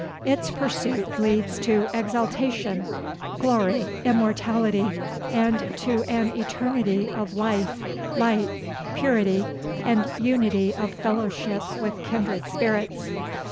Its pursuit leads to exaltation, glory, immortality, and to an eternity of life, light, purity, and unity of fellowship with kindred spirits.